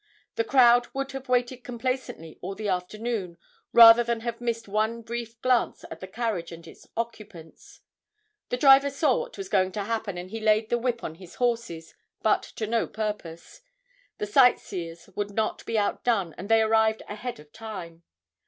The crowd would have waited complacently all the afternoon, rather than have missed one brief glance at the carriage and its occupants. The driver saw what was going to happen and he laid the whip on his horses, but to no purpose. The sightseers would not be outdone and they arrived ahead of time.